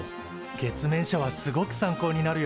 月面車はすごく参考になるよ。